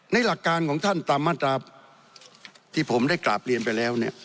หลักการของท่านตามมาตราที่ผมได้กราบเรียนไปแล้วเนี่ย